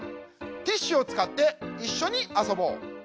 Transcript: ティッシュをつかっていっしょにあそぼう。